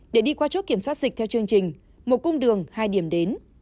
để đi qua chốt kiểm soát dịch theo chương trình một cung đường hai điểm đến